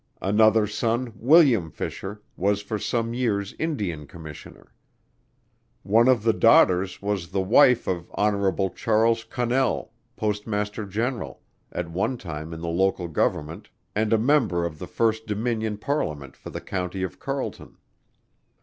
Another son, William Fisher, was for some years Indian Commissioner. One of the daughters was the wife of Hon. Charles Connell, Postmaster General, at one time in the local government, and a member of the first Dominion Parliament for the County of Carleton.